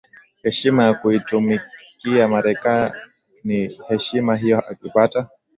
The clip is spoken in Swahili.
heshima ya kuitumikia Marekani Heshima hiyo akipata